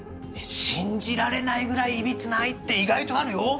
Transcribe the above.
信じられないぐらいいびつな愛って意外とあるよ。